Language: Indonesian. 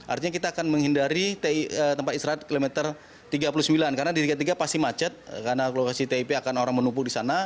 artinya kita akan menghindari tempat istirahat kilometer tiga puluh sembilan karena di tiga puluh tiga pasti macet karena lokasi tip akan orang menumpuk di sana